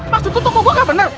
maksud toko gua nggak bener